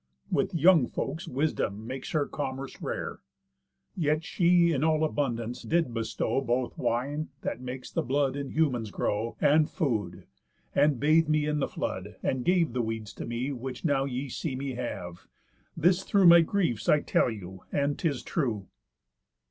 With young folks Wisdom makes her commerce rare. Yet she in all abundance did bestow Both wine, that makes the blood in humans grow, And food, and bath'd me in the flood, and gave The weeds to me which now ye see me have. This through my griefs I tell you, and 'tis true."